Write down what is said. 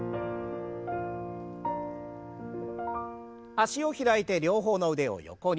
脚を開いて両方の腕を横に。